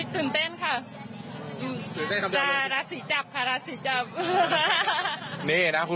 ตื่นเต้นครับ